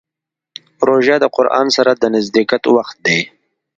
روژه د قرآن سره د نزدېکت وخت دی.